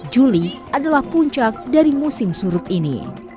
juli adalah puncak dari musim surut ini